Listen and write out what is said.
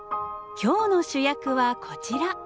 今日の主役はこちら。